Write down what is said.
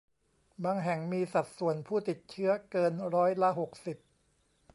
บางแห่งมีสัดส่วนผู้ติดเชื้อเกินร้อยละหกสิบ